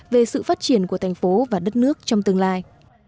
về sự phát triển của thành phố và đất nước trong tương lai